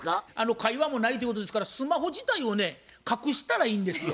会話もないっていうことですからスマホ自体をね隠したらいいんですよ。